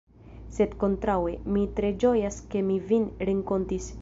Sed, kontraŭe, mi tre ĝojas ke mi vin renkontis.